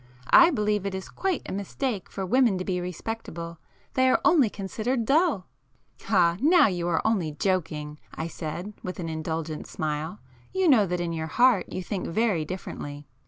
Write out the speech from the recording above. I believe it is quite a mistake for women to be respectable,—they are only considered dull." [p 89]"Ah, now you are only joking!" I said with an indulgent smile. "You know that in your heart you think very differently!"